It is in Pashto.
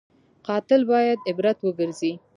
قاتل باید عبرت وګرځي